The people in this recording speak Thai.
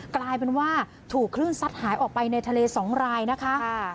กลายเป็นว่าถูกคลื่นซัดหายออกไปในทะเลสองรายนะคะ